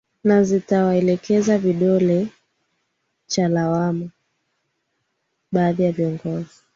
na zikawaelekezea kidole cha lawama baadhi ya viongozi